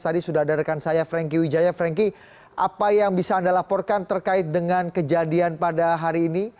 tadi sudah ada rekan saya franky wijaya frankie apa yang bisa anda laporkan terkait dengan kejadian pada hari ini